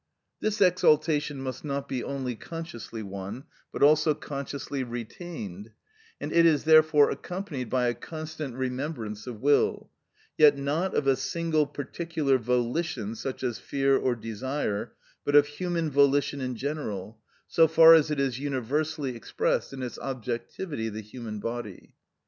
This exaltation must not only be consciously won, but also consciously retained, and it is therefore accompanied by a constant remembrance of will; yet not of a single particular volition, such as fear or desire, but of human volition in general, so far as it is universally expressed in its objectivity the human body.